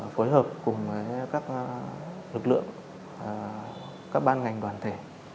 phối hợp cùng với các lực lượng các ban ngành đoàn thể